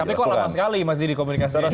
tapi kok lama sekali mas didi komunikasinya